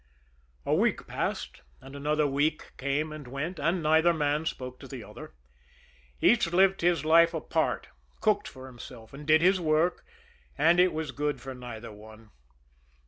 A week passed, and another week came and went, and neither man spoke to the other. Each lived his life apart, cooked for himself, and did his work; and it was good for neither one.